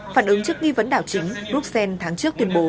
phản ứng trước nghi vấn đảo chính bruxelles tháng trước tuyên bố